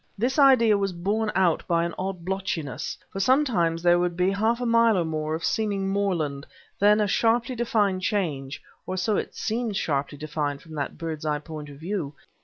This idea was borne out by an odd blotchiness, for sometimes there would be half a mile or more of seeming moorland, then a sharply defined change (or it seemed sharply defined from that bird's eye point of view).